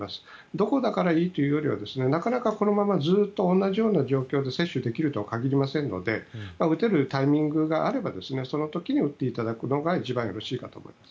どこだからいいというよりはなかなか、このままずっと同じような状況で接種できるとは限りませんので打てるタイミングがあればその時に打っていただくのが一番よろしいかと思います。